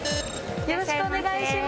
よろしくお願いします！